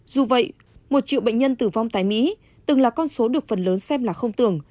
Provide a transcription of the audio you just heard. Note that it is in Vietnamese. dù vậy một triệu bệnh nhân tử vong tại mỹ từng là con số được phần lớn xem là không tưởng